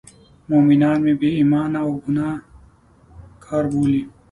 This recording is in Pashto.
مومنان مې بې ایمانه او ګناه کار بولي.